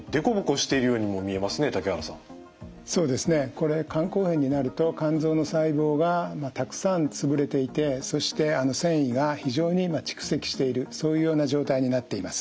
これ肝硬変になると肝臓の細胞がたくさん潰れていてそして線維が非常に蓄積しているそういうような状態になっています。